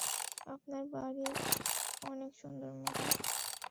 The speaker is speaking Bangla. আপনার বাড়ি অনেক সুন্দর, ম্যাডাম।